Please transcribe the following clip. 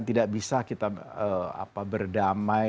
tidak bisa kita berdamai